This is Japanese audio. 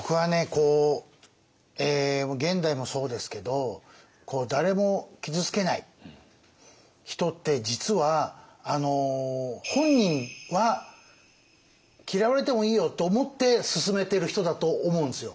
こう現代もそうですけど誰も傷つけない人って実は本人は嫌われてもいいよと思って進めてる人だと思うんですよ。